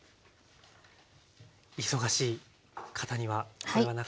忙しい方にはこれはなかなか。